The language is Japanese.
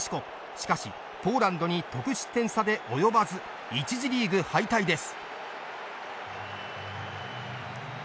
しかしポーランドに得失点差で及ばず１次リーグ敗退です。